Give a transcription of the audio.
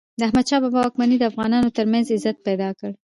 د احمد شاه بابا واکمني د افغانانو ترمنځ عزت پیدا کړ.